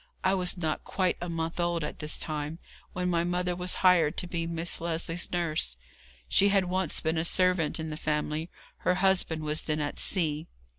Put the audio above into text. I was not quite a month old at this time when my mother was hired to be Miss Lesley's nurse. She had once been a servant in the family; her husband was then at sea.